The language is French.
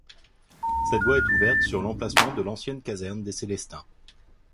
Cette voie est ouverte sur l'emplacement de l'ancienne caserne des Célestins.